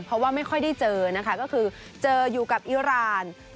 เพราะว่าไม่ค่อยได้เจอนะคะก็คือเจออยู่กับอิราณ